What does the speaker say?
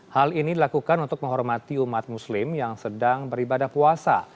hal ini dilakukan untuk menghormati umat muslim yang sedang beribadah puasa